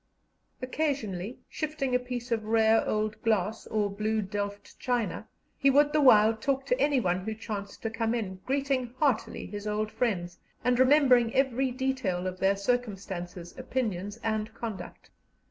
Occasionally shifting a piece of rare old glass or blue Delft china, he would the while talk to anyone who chanced to come in, greeting heartily his old friends, and remembering every detail of their circumstances, opinions, and conduct.